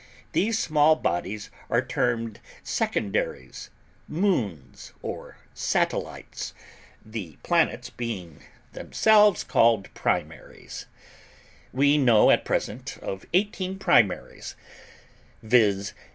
These small bodies are termed secondaries, moons or satellites the planets themselves being called primaries. We know at present of eighteen primaries, viz.